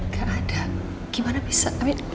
gak ada gimana bisa